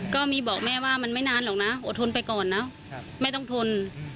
ก็มีบอกแม่ว่ามันไม่นานหรอกนะอดทนไปก่อนนะแม่ต้องทน